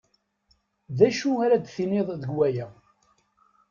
D acu ara d-tiniḍ deg waya?